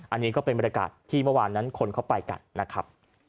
อันนี้ก็เป็นบรรยากาศที่เมื่อวานนั้นคนเข้าไปกันนะครับ